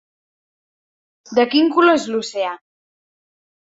De quin color és l'oceà?